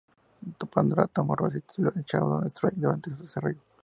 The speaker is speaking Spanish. Pandora Tomorrow se tituló Shadow Strike durante su desarrollo.